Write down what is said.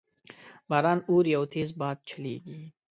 باران اوري او تیز باد چلیږي